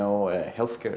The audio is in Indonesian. ada banyak hal